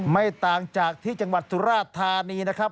ไม่ต่างจากที่จังหวัดสุราชธานีนะครับ